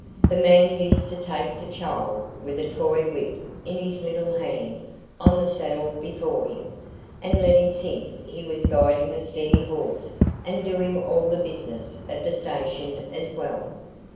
The man used to take the child, with a toy whip in his little hand, on the saddle before him, and let him think he was guiding the steady horse and doing all the business of the station as well.